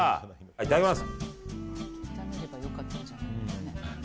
いただきます！